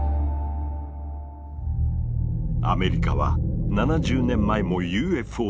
アメリカは７０年前もＵＦＯ調査を行っていた。